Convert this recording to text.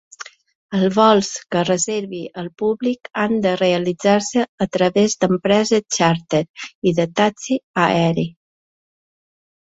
Els vols que reservi el públic han de realitzar-se a través d'empreses xàrter i de taxi aeri.